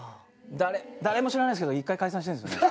誰も知らないですけど１回解散してるんですね。